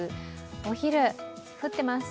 お昼、降ってます。